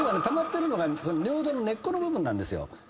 たまってるのが尿道の根っこの部分なんです。